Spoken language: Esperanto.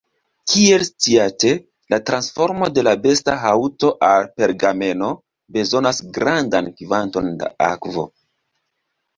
Kiel sciate, la transformo de besta haŭto al pergameno bezonas grandan kvanton da akvo.